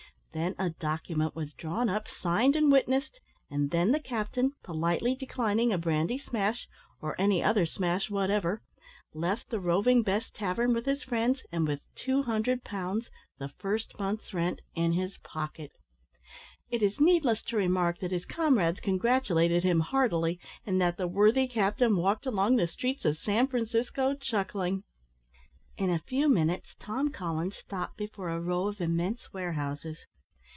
Then, a document was drawn up, signed, and witnessed, and then the captain, politely declining a brandy smash, or any other smash whatever, left the Roving Bess Tavern with his friends, and with 200 pounds the first month's rent in his pocket. It is needless to remark, that his comrades congratulated him heartily, and that the worthy captain walked along the streets of San Francisco chuckling. In a few minutes, Tom Collins stopped before a row of immense warehouses.